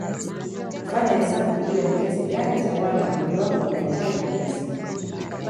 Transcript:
Kufanya hesabu kujua ni kiasi gani cha wanga mwili wako unahitaji kila siku